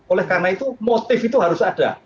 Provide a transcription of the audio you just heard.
oleh karena itu motif itu harus ada